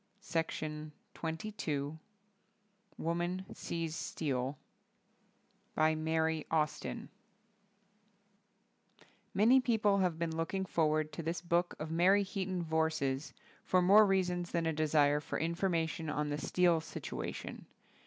Weaver. Alfred A. Knopf. WOMAN SEES STEEL By Mary Austin MANY people have been looking forward to this book of Mary Heaton Vorse's for more reasons than a desire for information on the steel situation.